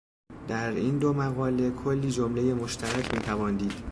در این دو مقاله، کلی جملهٔ مشترک میتوان دید